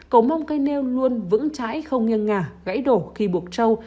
cầu mong cây nêu luôn vững trái không ngân ngả gãy đổ khi buộc trâu